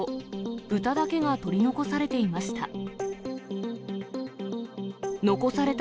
豚だけが取り残されていました。